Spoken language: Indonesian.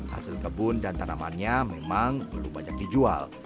hasil kebun dan tanamannya memang belum banyak dijual